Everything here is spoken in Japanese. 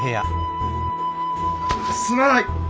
すまない！